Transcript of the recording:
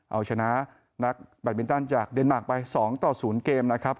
เอาชนะนักแบตมินตันจากเดนมาร์กไป๒ต่อ๐เกมนะครับ